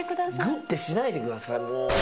グッてしないでください。